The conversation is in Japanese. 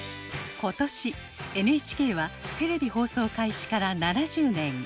今年ＮＨＫはテレビ放送開始から７０年。